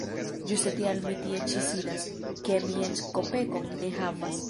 Ĝuste tial mi tie ĉi sidas, ke mi eĉ kopekon ne havas.